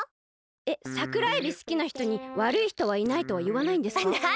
えっサクラエビすきなひとにわるいひとはいないとはいわないんですか？